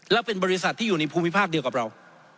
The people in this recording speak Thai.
แล้วเป็นบริษัทที่อยู่ในภูมิภาคเดียวกับเรา